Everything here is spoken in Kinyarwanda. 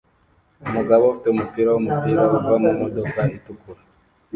Umugabo ufite umupira wumupira uva mumodoka itukura